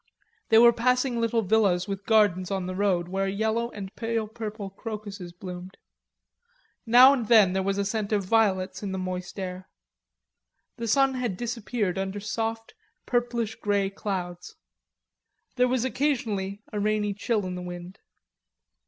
They were passing little villas with gardens on the road where yellow and pale purple crocuses bloomed. Now and then there was a scent of violets in the moist air. The sun had disappeared under soft purplish grey clouds. There was occasionally a rainy chill in the wind.